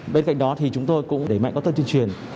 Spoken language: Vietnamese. bên cạnh đó thì chúng tôi cũng đẩy mạnh các thông tin truyền